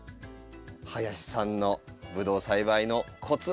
林さんのブドウ栽培のコツ。